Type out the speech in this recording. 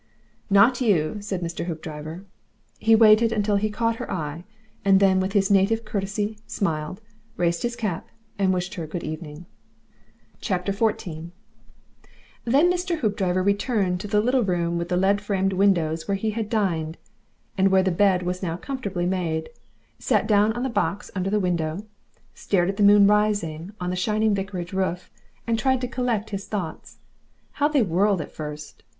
"Not you," said Mr. Hoopdriver. He waited until he caught her eye, then with his native courtesy smiled, raised his cap, and wished her good evening. XIX. Then Mr. Hoopdriver returned to the little room with the lead framed windows where he had dined, and where the bed was now comfortably made, sat down on the box under the window, stared at the moon rising on the shining vicarage roof, and tried to collect his thoughts. How they whirled at first!